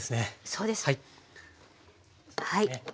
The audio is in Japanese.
そうです。